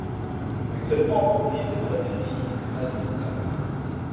Actuellement propriété de la mairie, il n'est pas visitable.